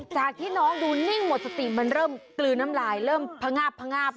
จากที่น้องดูนิ่งหมดสติมันเริ่มกลืนน้ำลายเริ่มพงาบพงาบ